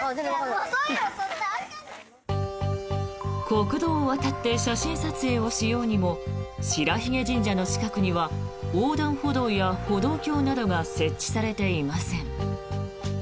国道を渡って写真撮影しようにも白鬚神社の近くには横断歩道や歩道橋などが設置されていません。